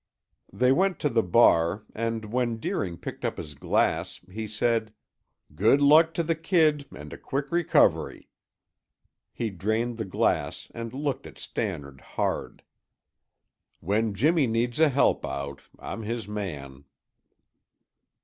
They went to the bar and when Deering picked up his glass he said, "Good luck to the kid and a quick recovery!" He drained the glass and looked at Stannard hard. "When Jimmy needs a help out, I'm his man."